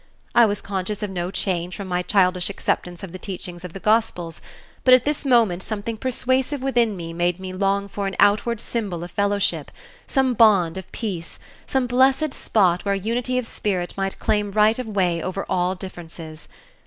I was conscious of no change from my childish acceptance of the teachings of the Gospels, but at this moment something persuasive within made me long for an outward symbol of fellowship, some bond of peace, some blessed spot where unity of spirit might claim right of way over all differences.